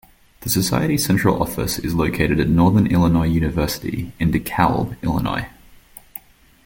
The Society's central office is located at Northern Illinois University in DeKalb, Illinois.